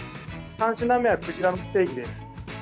３品目はクジラのステーキです。